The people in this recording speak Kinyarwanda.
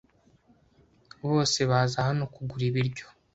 Bose baza hano kugura ibiryo.